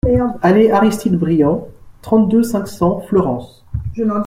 Allées Aristide Briand, trente-deux, cinq cents Fleurance